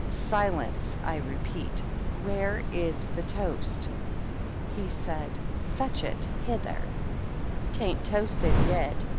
"Silence I I repeat! Where is the toast? ] said. Fetch it hither." " Tain't toasted yet